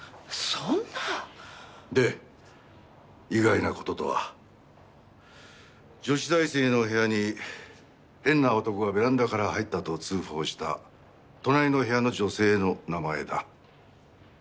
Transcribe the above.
そんな！で意外な事とは女子大生の部屋に変な男がベランダから入ったと通報した隣の部屋の女性の名前だ。